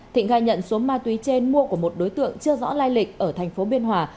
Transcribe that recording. thịnh khai nhận số ma túy trên mua của một đối tượng chưa rõ lai lịch ở thành phố biên hòa